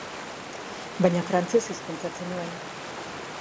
Baina frantsesez pentsatzen nuen.